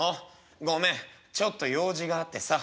「ごめんちょっと用事があってさ」。